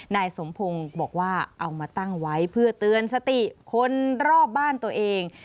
นายสมพงศ์บอกว่าเอามาตั้งไว้เพื่อเตือนสติคนรอบบ้านตัวเอง